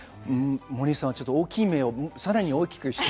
森さんは大きい目をさらに大きくして。